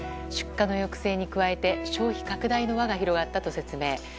出荷の抑制に加えて消費拡大の輪が広がったと説明。